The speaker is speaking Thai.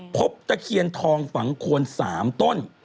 ตะเคียนทองฝังโคน๓ต้น